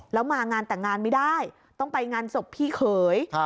แล้วมางานแต่งงานไม่ได้ต้องไปงานศพพี่เขย